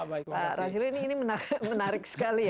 pak razilo ini menarik sekali ya